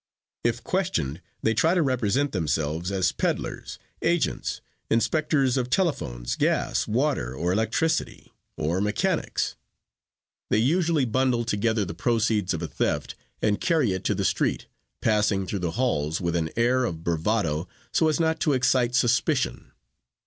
If questioned, they try to represent themselves as peddlers, agents, inspectors of telephones, gas, water or electricity, or mechanics. They usually bundle together the proceeds of a theft and carry it to the street, passing through the halls with an air of bravado, so as not to excite suspicion.